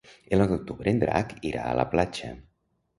El nou d'octubre en Drac irà a la platja.